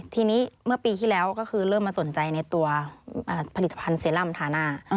ทีนี้เมื่อปีที่แล้วก็คือเริ่มมาสนใจในตัวผลิตภัณฑ์เซรั่มทาหน้า